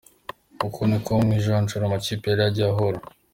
Uko niko mu ijonjora amakipe yari yagiye ahura.